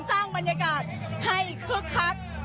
สร้างบรรยากาศให้คึกคัก